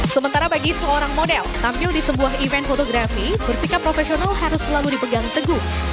sementara bagi seorang model tampil di sebuah event fotografi bersikap profesional harus selalu dipegang teguh